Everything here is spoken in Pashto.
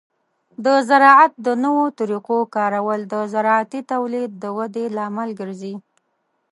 د زراعت د نوو طریقو کارول د زراعتي تولید د ودې لامل ګرځي.